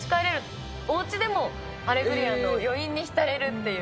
おうちでも『アレグリア』の余韻に浸れるっていう。